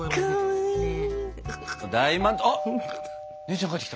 あっ姉ちゃん帰ってきた。